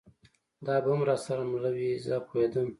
دا به هم را سره مله وي، زه پوهېدم.